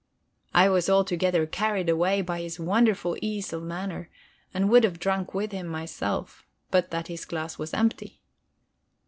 I was altogether carried away by his wonderful ease of manner, and would have drunk with him myself but that his glass was empty.